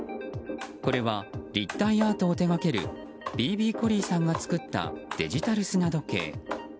これは、立体アートを手掛けるＢＢコリーさんが作ったデジタル砂時計。